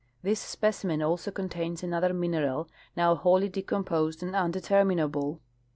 This sjiecimen also contains another mineral now wholly decomposed and undeterminable.